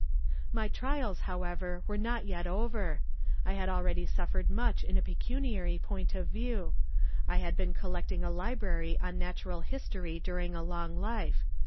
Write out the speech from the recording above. "My trials, however, were not yet over, I had already suffered much in a pecuniary point of view. I had been collecting a library on natural history during a long life.